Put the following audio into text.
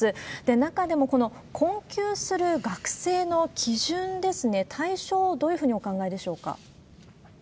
中でもこの困窮する学生の基準ですね、対象をどういうふうにお考えでしょうか？